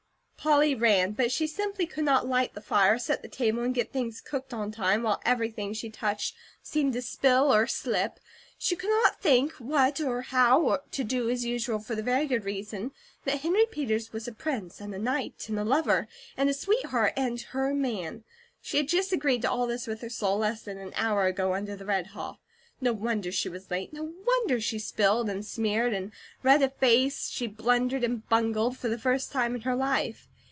Polly ran, but she simply could not light the fire, set the table, and get things cooked on time, while everything she touched seemed to spill or slip. She could not think what, or how, to do the usual for the very good reason that Henry Peters was a Prince, and a Knight, and a Lover, and a Sweetheart, and her Man; she had just agreed to all this with her soul, less than an hour ago under the red haw. No wonder she was late, no wonder she spilled and smeared; and red of face she blundered and bungled, for the first time in her life.